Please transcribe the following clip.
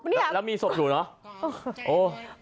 แล้วมีศพอยู่เนอะ